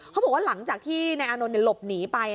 เขาบอกว่าหลังจากที่ในอานนท์ลบหนีไปนะนะ